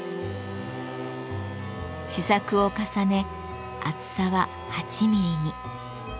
試作を重ね厚さは８ミリに。